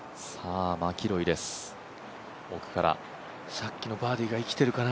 さっきのバーディーが生きてるかな。